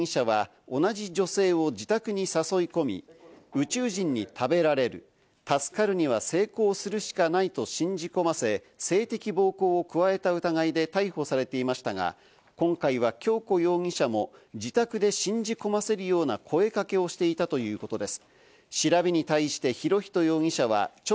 博仁容疑者と千秋容疑者は同じ女性を自宅に誘い込み、宇宙人に食べられる、助かるには性交するしかないと信じ込ませ、性的暴行を加えた疑いなどで逮捕されていましたが、今回は恭子容疑者も自宅で信じ込ませるような声かけをしていたということです。